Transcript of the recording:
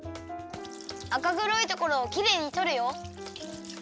あかぐろいところをきれいにとるよ。